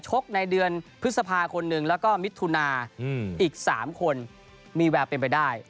ในเดือนพฤษภาคมหนึ่งแล้วก็มิถุนาอีก๓คนมีแววเป็นไปได้